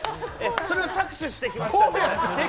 それを搾取してきました。